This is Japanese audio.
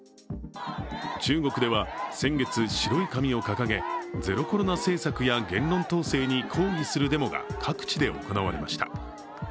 中国では先月、白い紙を掲げゼロコロナ政策や言論統制に抗議するデモが各地で行われました。